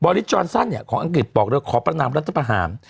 บอริสต์จอลซ่อนซ่อนเนี่ยของอังกฤษบอกว่าขอพระนามรัฐประหาร